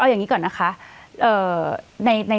อย่างนี้ก่อนนะคะ